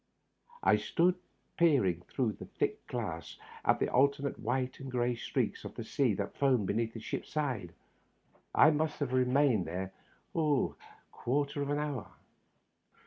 I stood peering out through the thick glass at the alternate white and gray streaks of the sea that foamed beneath the ship's side. I must have remained there a quarter of an hour.